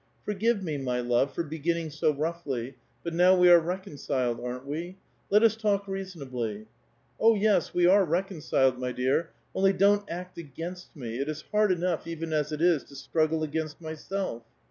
'' Forgive me, m}' love,^ for beginning so roughly, but now we are reconciled, aren't we ? Let us talk reasonably." "Oh, yes, we are reconciled, my dear. Only don't act against me. It is hard enough, even as it is, to struggle against myself."